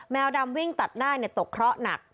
แมวดำวิ่งตัดหน้าตกเคราะห์หนัก